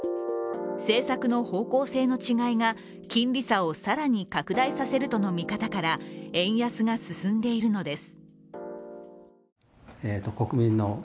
政策の方向性の違いが金利差を更に拡大させるとの見方から、円安が進んでいるのです。